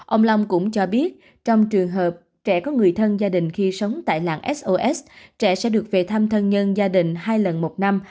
ông long cũng cho biết trong trường hợp trẻ có người thân gia đình khi sống tại làng sos trẻ sẽ được về thăm thân nhân gia đình hai lần một năm